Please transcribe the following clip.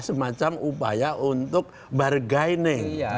semacam upaya untuk bargaining